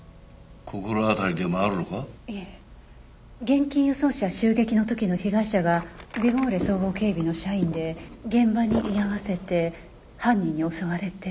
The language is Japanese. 現金輸送車襲撃の時の被害者がビゴーレ総合警備の社員で現場に居合わせて犯人に襲われて。